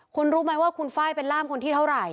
คุณรู้ไหมว่าคุณไฟล์เป็นล่ามคนที่เท่าไหร่